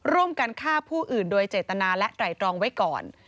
ร่วมกันฆ่าผู้อื่นโดยเจตนาและไตรตรองไว้ก่อน